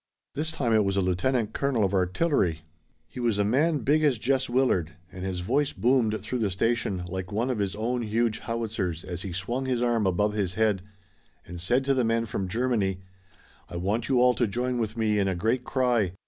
This time it was a lieutenant colonel of artillery. He was a man big as Jess Willard and his voice boomed through the station like one of his own huge howitzers as he swung his arm above his head and said to the men from Germany: "I want you all to join with me in a great cry.